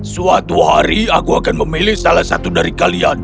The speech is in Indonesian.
suatu hari aku akan memilih salah satu dari kalian